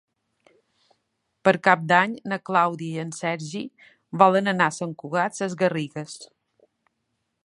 Per Cap d'Any na Clàudia i en Sergi volen anar a Sant Cugat Sesgarrigues.